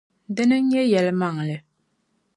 Dina n-nyɛ yɛlimaŋli.